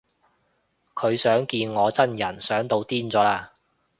佢想見我真人想到癲咗喇